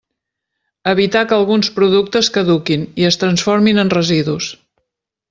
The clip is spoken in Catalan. Evitar que alguns productes caduquin i es transformin en residus.